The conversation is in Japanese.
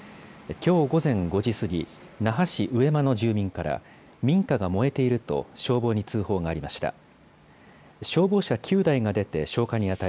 きょう午前５時過ぎ、那覇市上間の住民から、民家が燃えていると、消防に通報がありました。